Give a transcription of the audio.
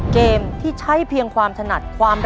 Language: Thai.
เกมที่ใช้เพียงความถนัดความรัก